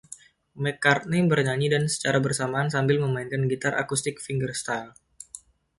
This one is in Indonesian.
McCartney bernyanyi dan secara bersamaan sambil memainkan gitar akustik fingerstyle.